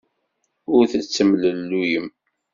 Ur tettemlelluyem.